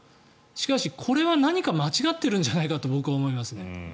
しかし、これは何か間違っているんじゃないかと僕は思いますね。